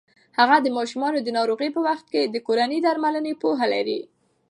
هغه د ماشومانو د ناروغۍ په وخت کې د کورني درملنې پوهه لري.